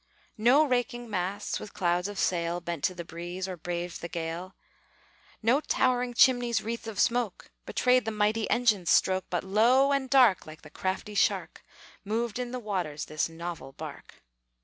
No raking masts, with clouds of sail, Bent to the breeze, or braved the gale; No towering chimney's wreaths of smoke Betrayed the mighty engine's stroke; But low and dark, like the crafty shark, Moved in the waters this novel bark.